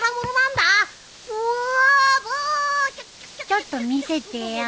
ちょっと見せてよ。